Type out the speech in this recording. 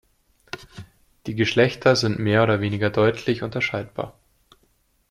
Die Geschlechter sind mehr oder weniger deutlich unterscheidbar.